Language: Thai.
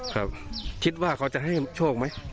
ครับคิดว่าเขาจะให้โชคไหม